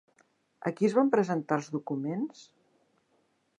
A qui es van presentar els documents?